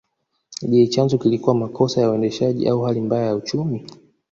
Je chanzo kilikuwa makosa ya uendeshaji au hali mbaya ya uchumi